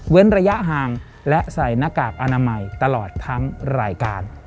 ระยะห่างและใส่หน้ากากอนามัยตลอดทั้งรายการ